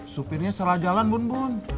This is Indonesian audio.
supirnya salah jalan bun bun